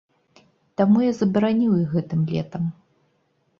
Таму я забараніў іх гэтым летам.